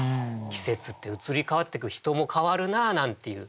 季節って移り変わってく人も変わるなあなんていう。